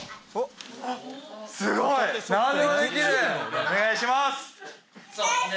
お願いします。